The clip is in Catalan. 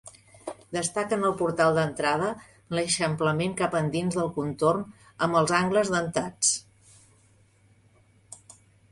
Destaca en el portal d'entrada l'eixamplament cap endins del contorn amb els angles dentats.